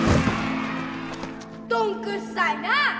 どんくっさいなあ。